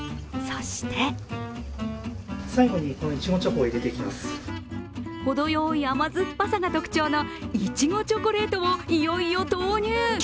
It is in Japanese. そして程よい甘酸っぱさが特徴のいちごチョコレートをいよいよ投入。